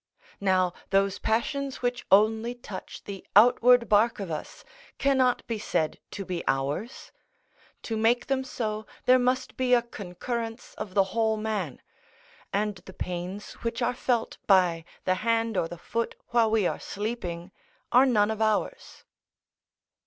Now, those passions which only touch the outward bark of us, cannot be said to be ours: to make them so, there must be a concurrence of the whole man; and the pains which are felt by the hand or the foot while we are sleeping, are none of ours.